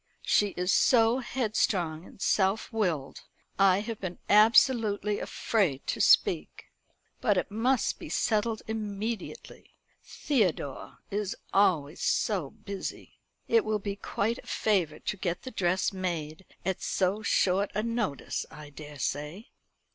She is so headstrong and self willed. I have been absolutely afraid to speak. But it must be settled immediately. Theodore is always so busy. It will be quite a favour to get the dress made at so short a notice, I daresay."